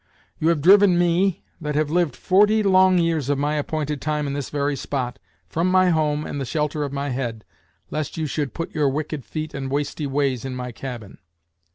You have driven me, that have lived forty long years of my appointed time in this very spot, from my home and the shelter of my head, lest you should put your wicked feet and wasty ways in my cabin.